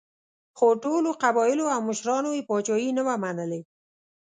خو ټولو قبایلو او مشرانو یې پاچاهي نه وه منلې.